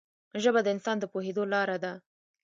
ژبه د انسان د پوهېدو لاره ده